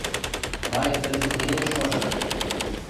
Май тӹлзӹ веле шожы!